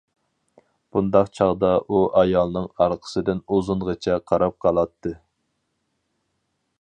بۇنداق چاغدا ئۇ ئايالنىڭ ئارقىسىدىن ئۇزۇنغىچە قاراپ قالاتتى.